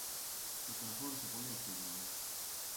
Με στενοχώρεσε πολύ αυτή η δουλειά